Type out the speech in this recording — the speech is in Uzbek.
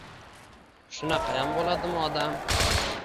Shunaqayam bo`ladimi odam